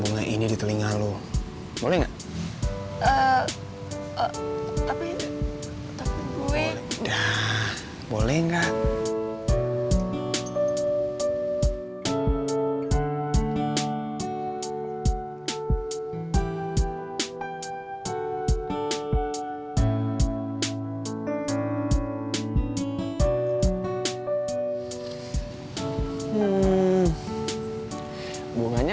nanti kalau sri gak kerja terus keluarga sri makan apa